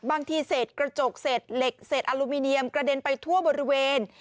บางทีเศษกระจกเศษเหล็กเศษอลูมิเนียมกระเด็นไปทั่วบริเวณ